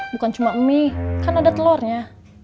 bukan cuma mie kan ada telurnya